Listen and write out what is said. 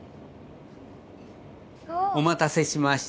お待たせしました。